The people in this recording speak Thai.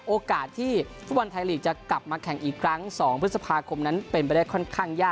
โอกาสที่ฟุตบอลไทยลีกจะกลับมาแข่งอีกครั้ง๒พฤษภาคมนั้นเป็นไปได้ค่อนข้างยาก